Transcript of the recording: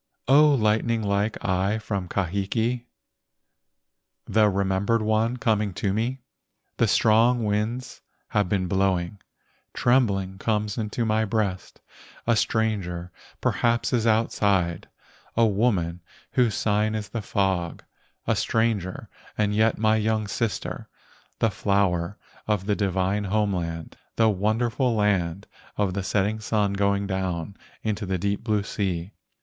O lightning like eye from Kahiki, The remembered one coming to me. The strong winds have been blowing, Trembling comes into my breast, A stranger perhaps is outside, A woman whose sign is the fog, A stranger and yet my young sister, The flower of the divine home land, The wonderful land of the setting sun Going down into the deep blue sea.